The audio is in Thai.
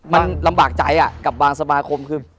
มันลำบากใจกับบางสมาคมคือ